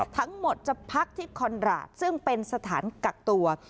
ทั้งหมดจะพักที่คอนราชซึ่งเป็นสถานกักตัว